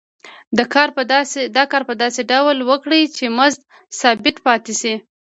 دا کار په داسې ډول وکړي چې مزد ثابت پاتې شي